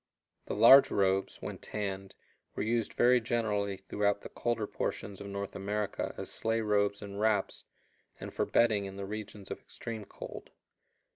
The large robes, when tanned, were used very generally throughout the colder portions of North America as sleigh robes and wraps, and for bedding in the regions of extreme cold.